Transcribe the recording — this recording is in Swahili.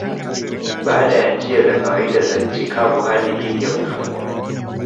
Baada ya njia za kawaida za nchi kavu hadi India kufungwa